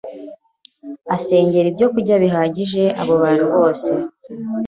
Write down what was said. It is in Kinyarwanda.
asengera ibyokurya bihagije abo bantu bose.